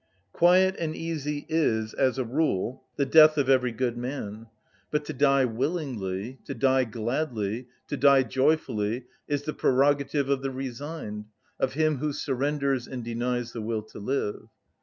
Quiet and easy is, as a rule, the death of every good man: but to die willingly, to die gladly, to die joyfully, is the prerogative of the resigned, of him who surrenders and denies the will to live.